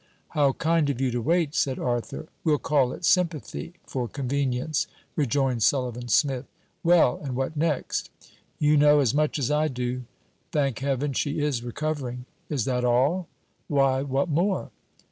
'How kind of you to wait,' said Arthur. 'We'll call it sympathy, for convenience,' rejoined Sullivan Smith. 'Well, and what next?' 'You know as much as I do. Thank heaven, she is recovering.' 'Is that all?' 'Why, what more?'